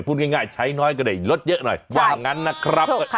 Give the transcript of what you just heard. พูดง่ายใช้น้อยก็ได้ลดเยอะหน่อยว่างั้นนะครับ